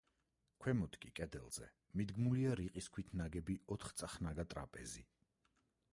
ქვემოთ კი, კედელზე, მიდგმულია რიყის ქვით ნაგები, ოთხწახნაგა ტრაპეზი.